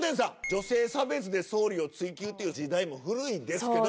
女性差別で総理を追及っていう時代も古いですけど。